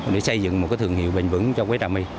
để xây dựng một thường hiệu bền vững cho quế trả my